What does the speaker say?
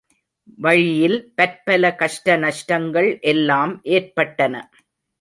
வழியில் பற்பல கஷ்டநஷ்டங்கள் எல்லாம் ஏற்பட்டன.